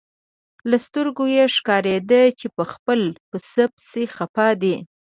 له سترګو یې ښکارېده چې په خپل پسه پسې خپه دی.